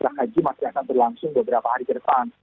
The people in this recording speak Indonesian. haji masih akan berlangsung beberapa hari depan